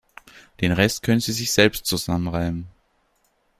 Den Rest können Sie sich selbst zusammenreimen.